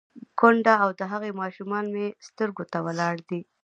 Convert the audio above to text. _کونډه او د هغې ماشومان مې سترګو ته ولاړ دي.